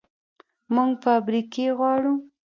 موږ فابریکې غواړو